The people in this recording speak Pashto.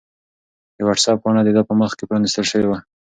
د وټس-اپ پاڼه د ده په مخ کې پرانستل شوې وه.